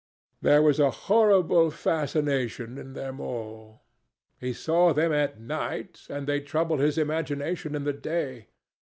There was a horrible fascination in them all. He saw them at night, and they troubled his imagination in the day.